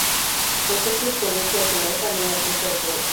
Su aspecto exterior se asemeja al de una plaza de toros.